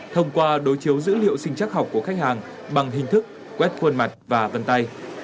thông qua đối chiếu dữ liệu sinh chắc học của khách hàng bằng hình thức quét khuôn mặt và vân tay